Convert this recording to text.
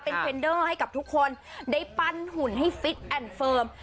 เป็นเทรนเดอร์ให้กับทุกคนได้ปั้นหุ่นให้ฟิตแอนด์เฟิร์ม